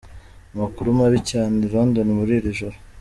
"Amakuru mabi cyane i London muri iri joro.